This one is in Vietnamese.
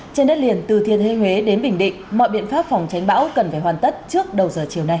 trên đất liền từ thiên huế đến bình định mọi biện pháp phòng tránh bão cần phải hoàn tất trước đầu giờ chiều nay